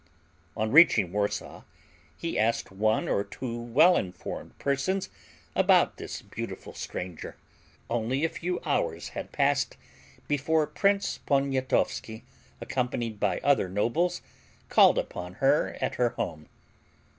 On reaching Warsaw he asked one or two well informed persons about this beautiful stranger. Only a few hours had passed before Prince Poniatowski, accompanied by other nobles, called upon her at her home.